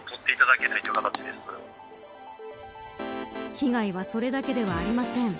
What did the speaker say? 被害はそれだけではありません。